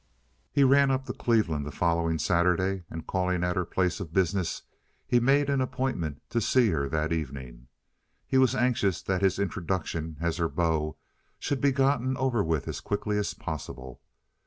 He ran up to Cleveland the following Saturday, and, calling at her place of business, he made an appointment to see her that evening. He was anxious that his introduction, as her beau, should be gotten over with as quickly as possible.